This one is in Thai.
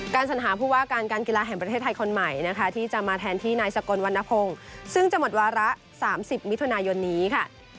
สัญหาผู้ว่าการการกีฬาแห่งประเทศไทยคนใหม่นะคะที่จะมาแทนที่นายสกลวันนพงศ์ซึ่งจะหมดวาระ๓๐มิถุนายนนี้ค่ะ